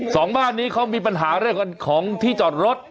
สองบ้านนี้เขามีปัญหาเรื่องของที่จอดรถ